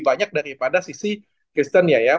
banyak daripada sisi kristen ya ya